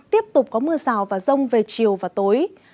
tiếp tục có mưa rào và rông về chiều và tối